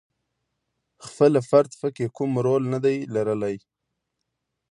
خپله فرد پکې کوم رول ندی لرلای.